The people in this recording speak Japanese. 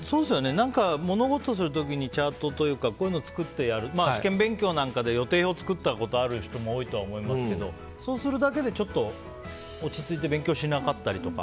物事をする時にチャートというかこういうの作ってやる試験勉強なんかで予定表作ったことある人も多いと思いますけどそうするだけでちょっと落ち着いて勉強しなかったりとか。